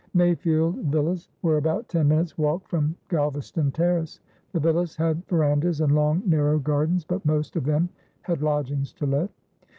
Mayfield Villas were about ten minutes' walk from Galvaston Terrace; the villas had verandahs and long, narrow gardens, but most of them had lodgings to let.